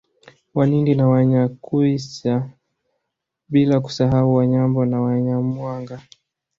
Wanindi na Wanyakyusa bila kusahau Wanyambo na Wanyamwanga